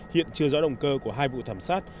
hiện chưa rõ động cơ của hai vụ thảm sát